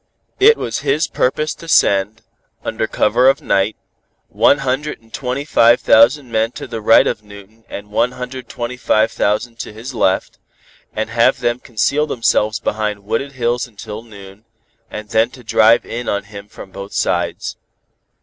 It was his purpose to send, under cover of night, one hundred and twenty five thousand men to the right of Newton and one hundred and twenty five thousand to his left, and have them conceal themselves behind wooded hills until noon, and then to drive in on him from both sides.